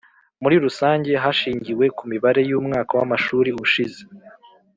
Muri rusange hashingiwe ku mibare y umwaka w amashuri ushize